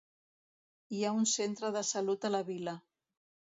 Hi ha un centre de salut a la vila.